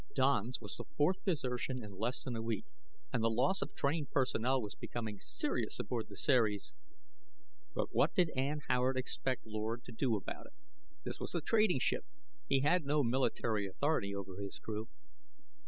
Don's was the fourth desertion in less than a week, and the loss of trained personnel was becoming serious aboard the Ceres. But what did Ann Howard expect Lord to do about it? This was a trading ship; he had no military authority over his crew.